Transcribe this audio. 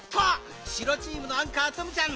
しろチームのアンカーツムちゃん